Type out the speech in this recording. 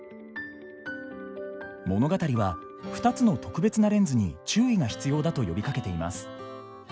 物語は２つの特別なレンズに注意が必要だと呼びかけています。